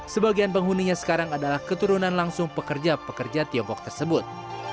sebagian penghuninya sekarang adalah keturunan langsung pekerja pekerja tiongkok tersebut